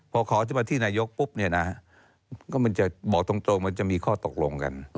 พอขอจะมาที่นายกปุ๊บมันจะบอกตรงมันจะมีข้อตกลงกัน